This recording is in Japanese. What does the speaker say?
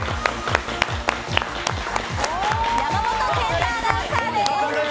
山本賢太アナウンサーです。